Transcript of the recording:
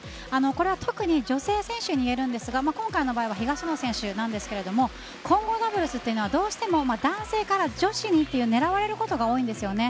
これは特に女性選手に言えるんですが今回の場合は東野選手ですが混合ダブルスはどうしても男性から女子にいって狙われることが多いんですよね。